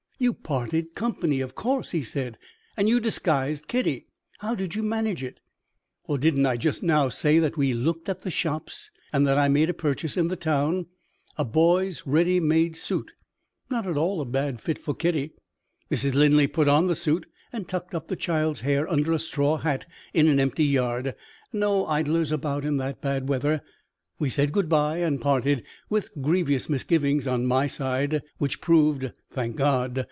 "You parted company, of course," he said; "and you disguised Kitty! How did you manage it?" "Didn't I say just now that we looked at the shops, and that I made a purchase in the town? A boy's ready made suit not at all a bad fit for Kitty! Mrs. Linley put on the suit, and tucked up the child's hair under a straw hat, in an empty yard no idlers about in that bad weather. We said good by, and parted, with grievous misgivings on my side, which proved (thank God!)